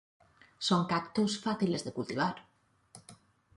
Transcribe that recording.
Son cactus fáciles de cultivar.